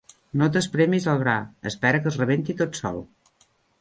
No t'espremis el gra: espera que es rebenti tot sol.